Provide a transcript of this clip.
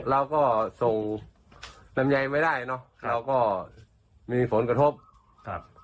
เราก็ส่งลำไยไม่ได้เนอะเราก็มีผลกระทบครับ